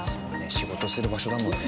仕事する場所だもんね。